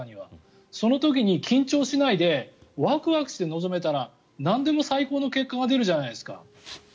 その時に緊張しないでワクワクして臨めればなんでも最高の結果が出るじゃないですか。